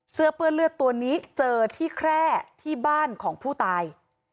เปื้อนเลือดตัวนี้เจอที่แคร่ที่บ้านของผู้ตาย